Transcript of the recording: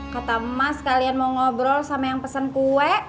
kata mas kalian mau ngobrol sama yang pesen kue